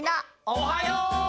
おはよう！